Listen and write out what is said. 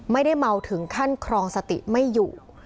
ไม่ได้เมาถึงขั้นครองสติไม่อยู่